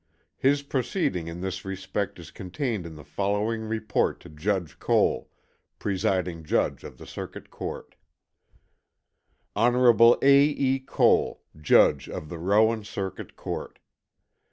His proceeding in this respect is contained in the following report to Judge Cole, presiding judge of the Circuit Court: Hon. A. E. Cole, Judge of the Rowan Circuit Court.